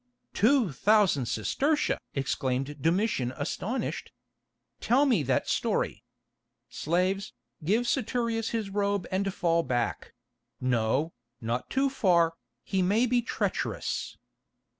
"Two thousand sestertia!" exclaimed Domitian astonished. "Tell me that story. Slaves, give Saturius his robe and fall back—no, not too far, he may be treacherous."